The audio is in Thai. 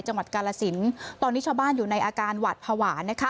จังหวัดกาลสินตอนนี้ชาวบ้านอยู่ในอาการหวาดภาวะนะคะ